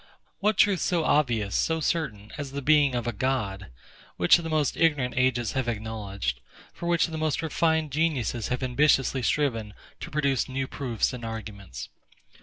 What truth so obvious, so certain, as the being of a God, which the most ignorant ages have acknowledged, for which the most refined geniuses have ambitiously striven to produce new proofs and arguments?